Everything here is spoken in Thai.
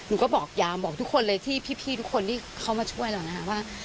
หนูก็บอกยามบอกทุกคนเลยที่พี่ทุกคนที่เขามาช่วยเรานะคะว่า